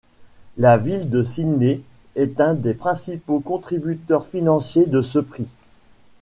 La ville de Sydney est un des principaux contributeurs financiers de ce prix.